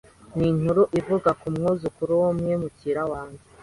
ninkuru ivuga kumwuzukuru wumwimukira waje